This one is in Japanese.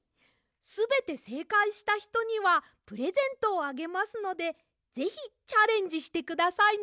すべてせいかいしたひとにはプレゼントをあげますのでぜひチャレンジしてくださいね！